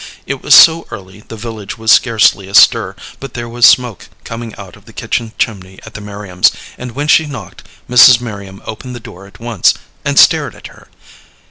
It was so early the village was scarcely astir, but there was smoke coming out of the kitchen chimney at the Merriams'; and when she knocked, Mrs. Merriam opened the door at once, and stared at her.